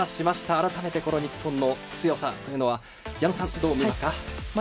改めてこの日本の強さというのは矢野さん、どう見ますか？